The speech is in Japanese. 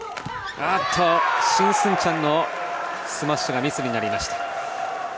シン・スンチャンのスマッシュがミスになりました。